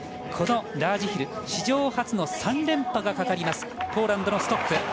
このラージヒル史上初の３連覇がかかるポーランドのストッフ。